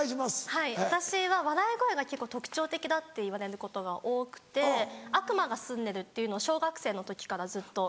はい私は笑い声が結構特徴的だって言われることが多くて悪魔がすんでるっていうのを小学生の時からずっと。